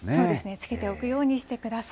つけておくようにしてください。